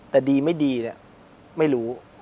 แต่ดีไม่ดีเนี่ยไม่รู้